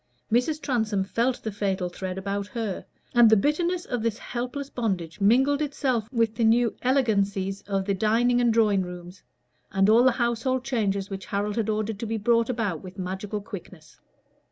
Mrs. Transome felt the fatal thread about her, and the bitterness of this helpless bondage mingled itself with the new elegancies of the dining and drawing rooms, and all the household changes which Harold had ordered to be brought about with magical quickness.